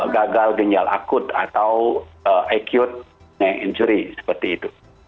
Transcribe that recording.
gagal ginjal akut atau acute injury seperti itu